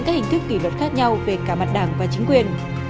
các hình thức kỷ luật khác nhau về cả mặt đảng và chính quyền